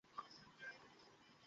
বাবা আমাকে নিয়ে অন্য প্লান করেছিল।